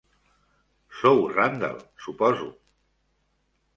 Sou Randall, suposo.